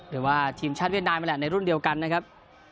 หรือว่าทีมชาติเวียดนามนั่นแหละในรุ่นเดียวกันนะครับ